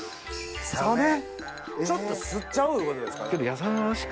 ちょっとすっちゃういうことですか？